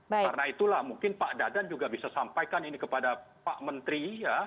karena itulah mungkin pak dadan juga bisa sampaikan ini kepada pak menteri